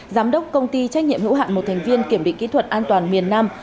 giám đốc công ty trách nhiệm hữu hạn một thành viên kiểm định kỹ thuật an toàn miền nam